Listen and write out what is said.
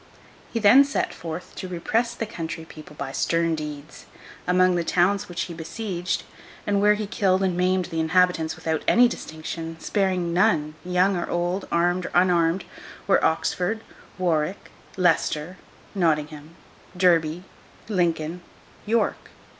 He then set forth to repress the country people by stern deeds. Among the towns which he besieged, and where he killed and maimed the inhabitants without any distinction, sparing none, young or old, armed or unarmed, were Oxford, Warwick, Leicester, Nottingham, Derby, Lincoln, York.